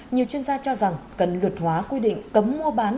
nhiều chuyên gia cho rằng cần luật hóa quy định cấm mua bán